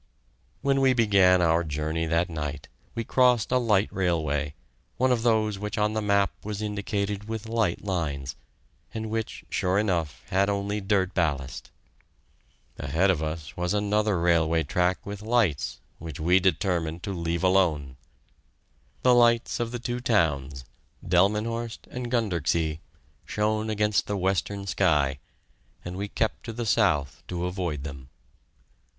When we began our journey that night, we crossed a light railway, one of those which on the map was indicated with light lines, and which, sure enough, had only dirt ballast. Ahead of us was another railway track with lights, which we determined to leave alone. The lights of the two towns, Delmenhorst and Gunderksee, shone against the western sky, and we kept to the south to avoid them.